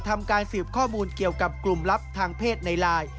ทำการสืบข้อมูลเกี่ยวกับกลุ่มลับทางเพศในไลน์